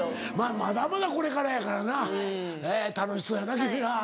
まだまだこれからやからな楽しそうやな君ら。